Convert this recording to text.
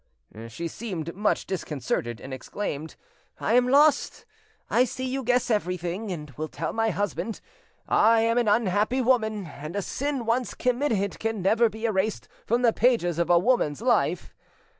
"She seemed much disconcerted, and exclaimed— "'I am lost! I see you guess everything, and will tell my husband. I am an unhappy woman, and a sin once committed can never be erased from the pages of a woman's life!